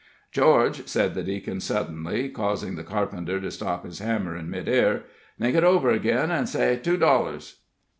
"George," said the Deacon suddenly, causing the carpenter to stop his hammer in mid air, "think it over agen, an' say two dollars."